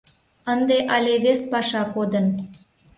Ынде але вес паша кодын.